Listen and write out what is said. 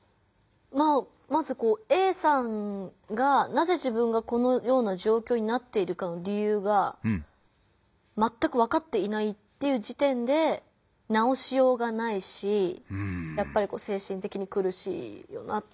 まずＡさんがなぜ自分がこのような状況になっているか理由がまったくわかっていないっていう時点で直しようがないし精神的にくるしいよなとは思います。